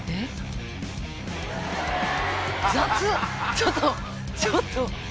ちょっとちょっと。